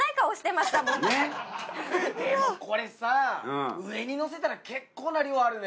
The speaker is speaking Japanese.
でもこれさ上にのせたら結構な量あるね！